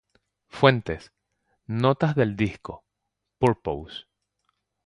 Fuentes: Notas del disco "Purpose".